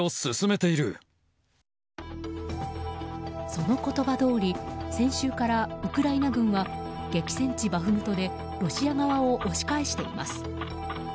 その言葉どおり先週からウクライナ軍は激戦地バフムトでロシア側を押し返しています。